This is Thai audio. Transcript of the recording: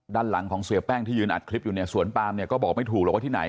ด้านหลังของเสียแป้งที่ยืนอัดคลิปอยู่เนี่ยสวนปามเนี่ยก็บอกไม่ถูกหรอกว่าที่ไหน